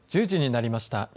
１０時になりました。